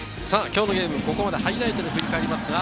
今日のゲーム、ここまでハイライトで振り返ります。